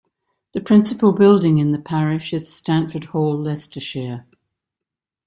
The principal building in the parish is Stanford Hall, Leicestershire.